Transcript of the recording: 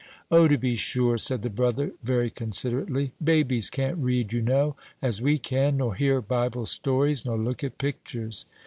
"O, to be sure," said the brother, very considerately; "babies can't read, you know, as we can, nor hear Bible stories, nor look at pictures."